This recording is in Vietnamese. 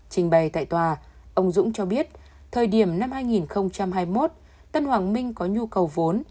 trình bày tại tòa ông dũng cho biết thời điểm năm hai nghìn hai mươi một tân hoàng minh có nhu cầu vốn